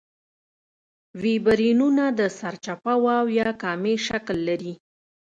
ویبریونونه د سرچپه واو یا کامي شکل لري.